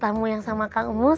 tamu yang sama kang umus